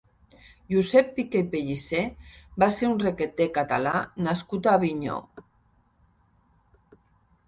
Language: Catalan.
Josep Piquer i Pellicer va ser un requeté Català nascut a Avinyó.